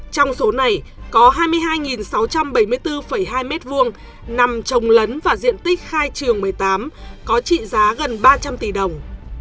trong số này có hai mươi hai sáu trăm bảy mươi bốn hai m hai nằm trồng lấn và diện tích khai trường một mươi tám có trị giá gần ba trăm linh tỷ đồng